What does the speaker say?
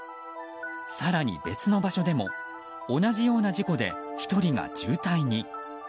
更に、別の場所でも同じような事故で１人が重体に。